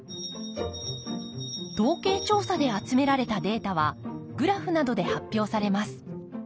統計調査で集められたデータはグラフなどで発表されます。